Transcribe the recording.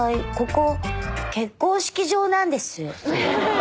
ここ結婚式場なんです。